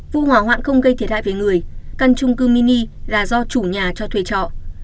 vụ hỏa hoạn không gây thiệt hại về người căn trung cư mini là do chủ nhà cho thuê trọ